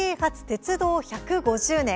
鉄道１５０年」。